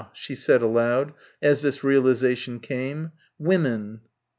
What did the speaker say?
she said aloud, as this realisation came, "Women."